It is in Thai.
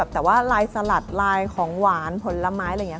แต่ว่าลายสลัดลายของหวานผลไม้อะไรอย่างนี้